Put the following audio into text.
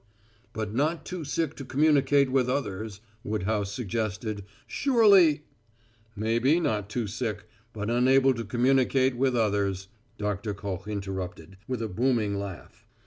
"But not too sick to communicate with others," Woodhouse suggested. "Surely " "Maybe not too sick, but unable to communicate with others," Doctor Koch interrupted, with a booming laugh.